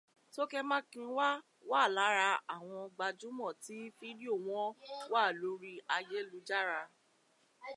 Tókẹ́ Mákinwá wà lára àwọn gbajúmọ̀ tí fídíò wọn wà lórí ayélujára.